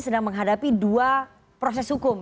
sedang menghadapi dua proses hukum